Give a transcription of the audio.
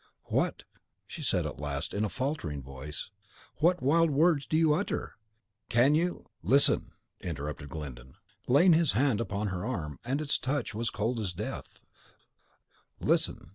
"What," she said, at last, in a faltering voice, "what wild words do you utter! Can you " "Listen!" interrupted Glyndon, laying his hand upon her arm, and its touch was as cold as death, "listen!